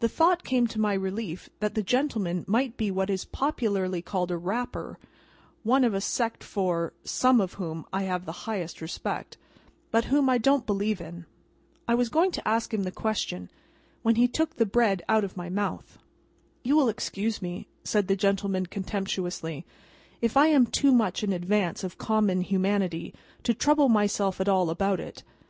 The thought came to my relief that the gentleman might be what is popularly called a Rapper: one of a sect for (some of) whom I have the highest respect, but whom I don't believe in. I was going to ask him the question, when he took the bread out of my mouth. "You will excuse me," said the gentleman contemptuously, "if I am too much in advance of common humanity to trouble myself at all about it.